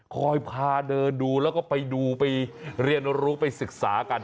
พาเดินดูแล้วก็ไปดูไปเรียนรู้ไปศึกษากัน